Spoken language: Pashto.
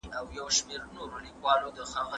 ته اوس اتلس کلنه یې او باید له خیالي نړۍ ووځې.